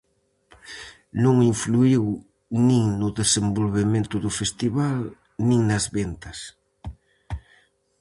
Non influíu nin no desenvolvemento do festival, nin nas ventas.